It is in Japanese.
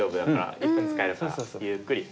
１分使えるからゆっくり。